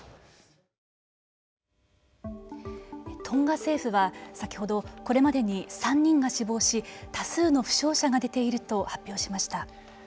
トンガ政府は先ほど、これまでに３人が死亡し多数の負傷者が出ていると発表しました。